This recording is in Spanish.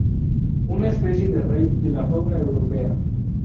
Una especie de rey de la fauna europea.